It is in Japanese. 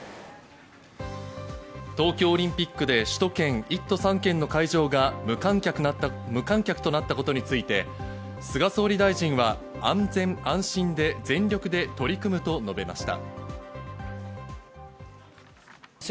東京オリンピックで首都圏１都３県の会場が無観客となったことについて菅総理大臣は安全・安心で全力で取り組むと述べました。